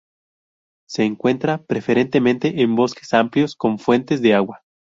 Se encuentra preferentemente en bosques amplios con fuentes de agua.